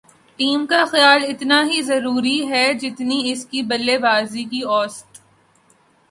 team کا خیال اتنا ہی ضروری ہے جتنی اس کی بلےبازی کی اوسط